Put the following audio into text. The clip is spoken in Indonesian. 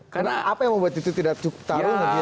karena apa yang membuat itu tidak cukup tarung